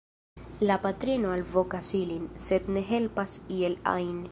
La patrino alvokas ilin, sed ne helpas iel ajn.